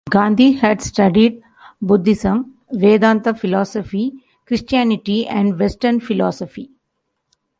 Gandhi had studied Buddhism, Vedanta Philosophy, Christianity, and western philosophy.